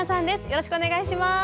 よろしくお願いします。